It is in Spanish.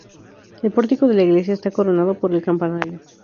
El pórtico de la iglesia está coronado por un campanario.